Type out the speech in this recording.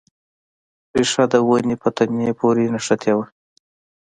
ریښه د ونې په تنې پورې نښتې وه.